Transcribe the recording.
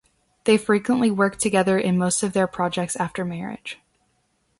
They frequently work together in most of their projects after marriage.